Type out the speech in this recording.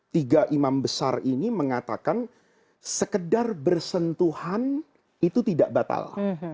tiga imam besar ini mengatakan sekedar bersentuhan itu tidak batal